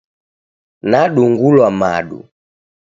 Nadung'ulwa madu.